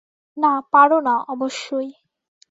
না পারো না, অবশ্যই।